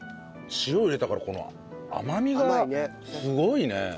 塩を入れたからこの甘みがすごいね。